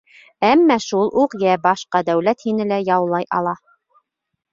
Әммә шул уҡ йә башҡа дәүләт һине лә яулай ала.